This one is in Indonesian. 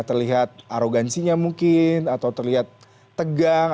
terlihat arogansinya mungkin atau terlihat tegang